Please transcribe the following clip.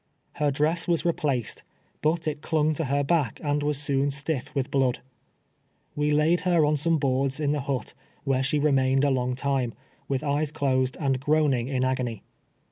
Her dress was replaced, but it clung to her back^ and was soon stiff with blood. AVe laid her on some boards in the hut, where she remained a long time, with eyes closed and groaning in agony.